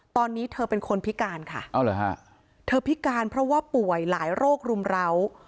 ตอนนี้เธอเป็นคนพิการค่ะเธอพิการเพราะว่าป่วยหลายโรครุมร้าว